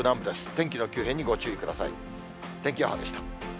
天気の急変にご注意ください。